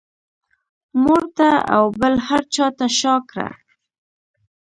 مور ته او بل هر چا ته شا کړه.